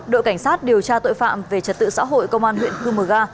đội cảnh sát điều tra tội phạm về trật tự xã hội công an huyện cư mờ ga